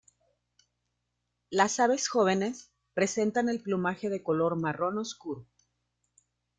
Las aves jóvenes presentan el plumaje de color marrón oscuro.